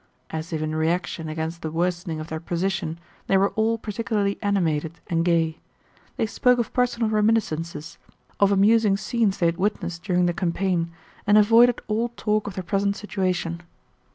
As if in reaction against the worsening of their position they were all particularly animated and gay. They spoke of personal reminiscences, of amusing scenes they had witnessed during the campaign, and avoided all talk of their present situation.